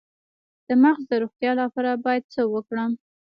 د مغز د روغتیا لپاره باید څه وکړم؟